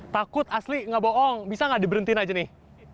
takut asli nggak bohong bisa nggak diberhentiin aja nih